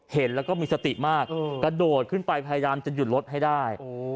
เห็นแล้วก็มีสติมากกระโดดขึ้นไปพยายามจะหยุดรถให้ได้